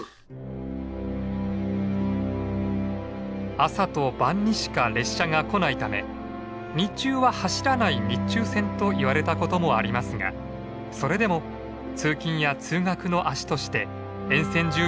朝と晩にしか列車が来ないため「日中は走らない日中線」といわれたこともありますがそれでも通勤や通学の足として沿線住民の生活を支え続けました。